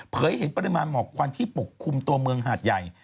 เห็นปริมาณหมอกควันที่ปกคลุมตัวเมืองหาดใหญ่